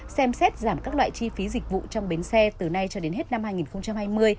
xem xét giảm các loại chi phí dịch vụ trong bến xe từ nay cho đến hết năm hai nghìn hai mươi